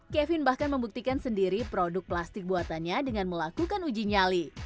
kevin bahkan membuktikan sendiri produk plastik buatannya dengan melakukan uji nyali